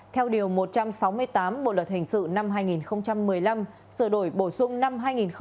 theo điều một trăm sáu mươi tám bộ luật hình sự năm hai nghìn một mươi năm sửa đổi bổ sung năm hai nghìn một mươi bảy